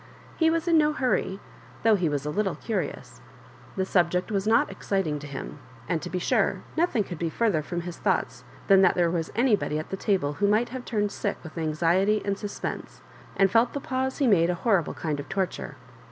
He was in no hurry, though he was a little curioua The subject was not exciting to him ; and to be sure nothing could be further from his thoughts than that tbefe was anybody at the table who m^ht have turned sick with anxiety and suspense, and felt the pause be made a horrible kind of torture.